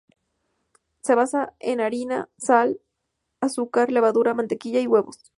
Se basa en harina, azúcar, sal, levadura, mantequilla y huevos.